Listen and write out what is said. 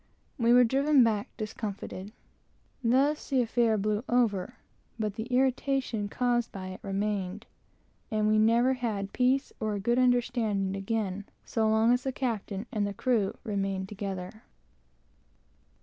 We were driven back discomforted. Thus the affair blew over, but the irritation caused by it remained; and we never had peace or a good understanding again so long as the captain and crew remained together.